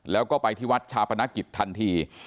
แล้วก็ไปที่วัดชาปนกิจทันที